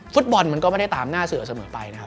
ฟุตบอลมันก็ไม่ได้ตามหน้าสื่อเสมอไปนะครับ